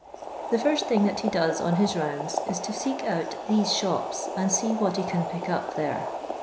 The first thing that he does on his rounds is to seek out these shops, and see what he can pick up there.